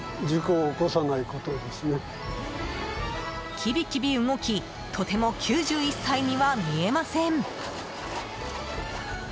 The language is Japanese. キビキビ動きとても９１歳には見えません。